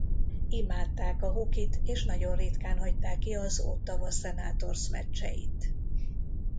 Imádták a hokit és nagyon ritkán hagyták ki az Ottawa Senators meccseit.